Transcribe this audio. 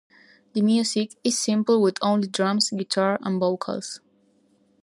The music is simple with only drums, guitar and vocals.